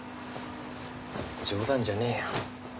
冗談じゃねえよ。